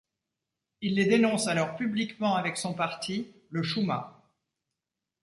Il les dénonce alors publiquement avec son parti, le Shuma.